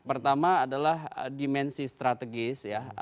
pertama adalah dimensi strategis ya